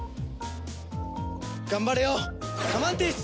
頑張れよカマンティス！